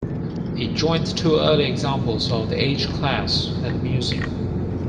It joins two earlier examples of the H class at the museum.